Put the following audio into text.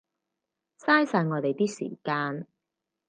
嘥晒我哋啲時間